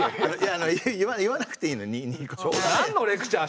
言わなくていいの「ニコッ」。